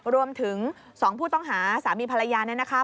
รวมถึง๒ผู้ต้องหาสามีภรรยาเนี่ยนะคะ